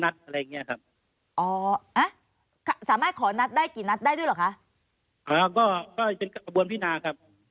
ครูปีชารวมอยู่ใน๓๒ปากไหมคะหรือเป็น๓๓ปาก